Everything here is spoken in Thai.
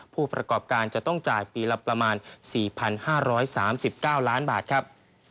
ผู้ประกอบการจะต้องจ่ายปีละประมาณ๔๕๓๙ล้านบาทครับ